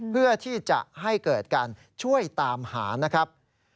เพื่อที่จะให้เกิดการช่วยตามหานะครับ